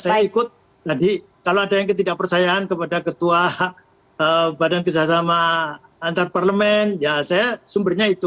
saya ikut tadi kalau ada yang ketidakpercayaan kepada ketua badan kerjasama antarparlemen ya saya sumbernya itu